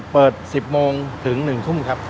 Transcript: เปิด๑๐โมงถึง๑ทุ่มครับ